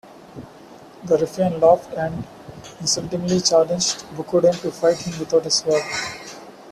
The ruffian laughed and insultingly challenged Bokuden to fight him without a sword.